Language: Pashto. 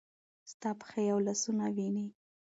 ستا پښې او لاسونه وینې ؟